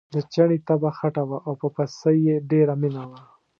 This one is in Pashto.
د چیني طبعه خټه وه او په پسه یې ډېره مینه وه.